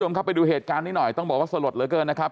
คุณผู้ชมครับไปดูเหตุการณ์นี้หน่อยต้องบอกว่าสลดเหลือเกินนะครับ